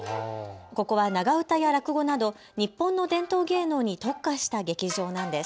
ここは長唄や落語など日本の伝統芸能に特化した劇場なんです。